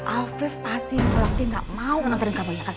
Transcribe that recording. afif pasti nanti gak mau nganterin kamu ya kan